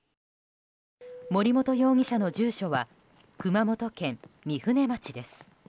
森本容疑者の住所は熊本県御船町です。